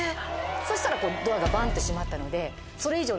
そしたらドアがバンって閉まったので。